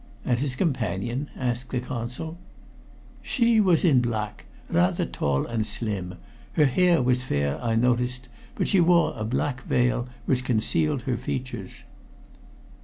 "And his companion?" asked the Consul. "She was in black. Rather tall and slim. Her hair was fair, I noticed, but she wore a black veil which concealed her features."